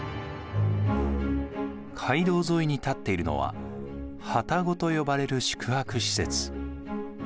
街道沿いに建っているのは旅籠と呼ばれる宿泊施設。